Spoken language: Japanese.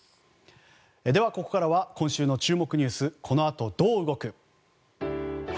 では、ここからは今週の注目ニュースこの後どう動く？